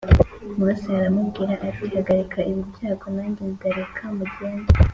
Mose aramubwira ati hagarika ibi byago nanjye ndareka mugende